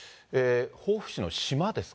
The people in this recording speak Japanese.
防府市の島ですか。